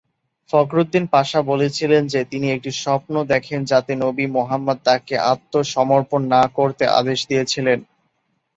ফখরুদ্দিন পাশা বলেছিলেন যে তিনি একটি স্বপ্ন দেখেন যাতে নবী মুহাম্মদ তাকে আত্মসমর্পণ না করতে আদেশ দিয়েছেন।